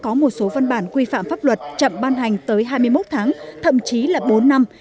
các đại biểu văn bản quy phạm pháp luật chậm ban hành tới hai mươi một tháng thậm chí là bốn năm